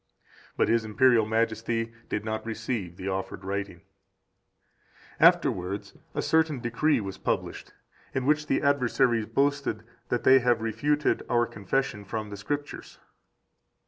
But His Imperial Majesty did not receive the offered writing. 8 Afterwards a certain decree was published, in which the adversaries boast that they have refuted our Confession from the Scriptures.